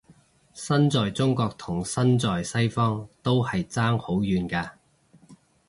身在中國同身在西方都係爭好遠嘅